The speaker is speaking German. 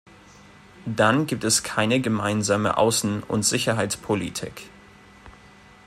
Dann gibt es keine gemeinsame Außen- und Sicherheitspolitik.